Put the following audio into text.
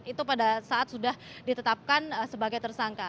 itu pada saat sudah ditetapkan sebagai tersangka